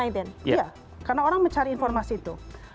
iya karena orang mencari informasi itu